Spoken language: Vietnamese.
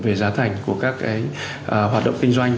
về giá thành của các hoạt động kinh doanh